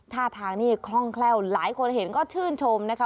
ท่าทางนี่คล่องแคล่วหลายคนเห็นก็ชื่นชมนะคะ